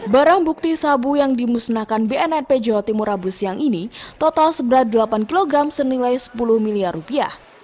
barang bukti sabu yang dimusnahkan bnnp jawa timur rabu siang ini total seberat delapan kg senilai sepuluh miliar rupiah